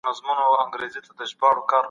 موږ به د سياسي کشمکشونو مخنيوی وکړو.